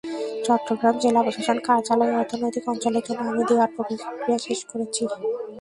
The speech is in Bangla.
চট্টগ্রাম জেলা প্রশাসন কার্যালয় অর্থনৈতিক অঞ্চলের জন্য জমি দেওয়ার প্রক্রিয়া শেষ করেছে।